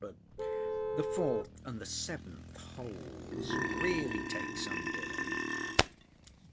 But the fourth and the seventh holes really take some doing."